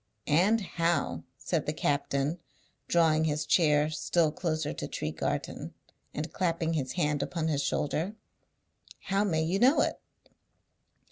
"And how," said the captain, drawing his chair still closer to Tregarthen, and clapping his hand upon his shoulder, "how may you know it?"